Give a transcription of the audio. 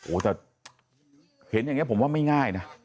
โอ้โหแต่เห็นอย่างนี้ผมว่าไม่ง่ายนะ